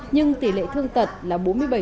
nhưng tỷ lệ thương tật là bốn mươi bảy